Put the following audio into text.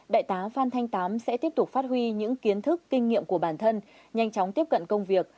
đại tá phan thanh tám sẽ tiếp tục phát huy những kiến thức kinh nghiệm của bản thân nhanh chóng tiếp cận công việc